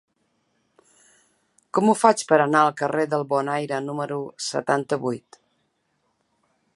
Com ho faig per anar al carrer del Bonaire número setanta-vuit?